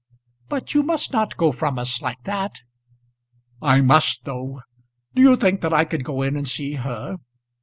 "But you must not go from us like that." "I must though. Do you think that I could go in and see her?